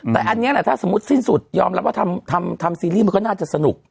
แต่อันนี้แหละถ้าสมมุติสิ้นสุดยอมรับว่าทำซีรีส์มันก็น่าจะสนุก